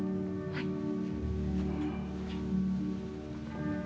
はい。